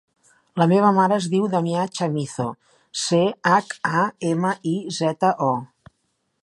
La meva mare es diu Damià Chamizo: ce, hac, a, ema, i, zeta, o.